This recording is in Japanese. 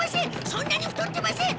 そんなに太ってません！